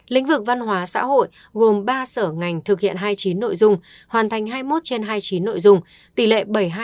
lĩnh vực văn hóa xã hội gồm ba sở ngành thực hiện hai mươi chín nội dung hoàn thành hai mươi một trên hai mươi chín nội dung tỷ lệ bảy mươi hai